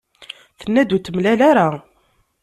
Tenna-d ur t-temlal ara.